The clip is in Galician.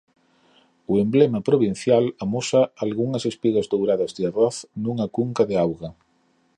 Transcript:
O emblema provincial amosa algunhas espigas douradas de arroz nunha cunca de auga.